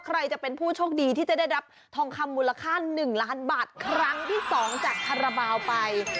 ใครจะเป็นผู้โชคดีที่จะได้รับทองคำมูลค่า๑ล้านบาทครั้งที่๒จากคาราบาลไป